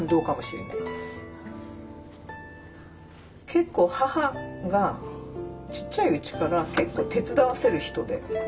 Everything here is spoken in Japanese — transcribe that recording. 結構母がちっちゃいうちから手伝わせる人で。